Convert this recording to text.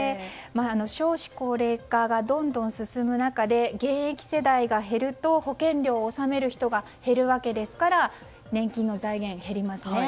少子高齢化がどんどん進む中で現役世代が減ると保険料を納める人が減るわけですから年金の財源が減りますね。